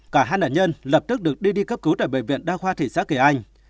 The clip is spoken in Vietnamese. cả hai nạn nhân lập tức được đưa đi cấp cứu tại bệnh viện đa khoa thị xã kỳ anh